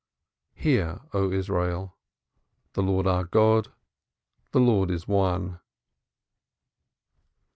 "Hear, O Israel, the Lord our God, the Lord is one."